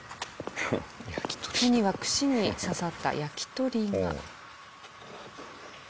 手には串に刺さった焼き鳥が。